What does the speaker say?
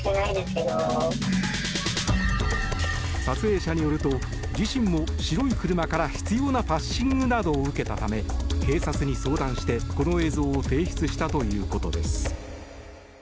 撮影者によると自身も白い車から執拗なパッシングなどを受けたため警察に相談して、この映像を提出したということです。